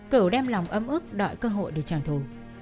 cửu đem lòng ấm ức đợi cơ hội để trả thù